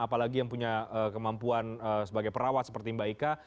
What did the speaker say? apalagi yang punya kemampuan sebagai perawat seperti mbak ika